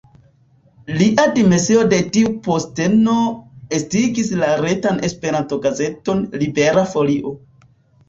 Lia demisio de tiu posteno estigis la retan Esperanto-gazeton Libera Folio.